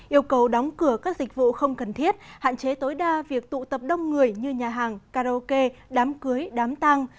yêu cầu đóng cửa các dịch vụ không cần thiết hạn chế tối đa việc tụ tập đông người như nhà hàng karaoke đám cưới đám tăng